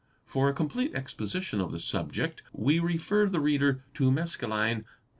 For a complete exposition of the subject we refer the reader to Maskelyne (p.